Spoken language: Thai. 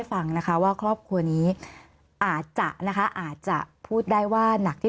ฟังนะคะว่าครอบครัวนี้อาจจะนะคะอาจจะพูดได้ว่านักที่